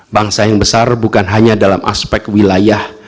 bangsa yang besar bukan hanya dalam aspek wilayah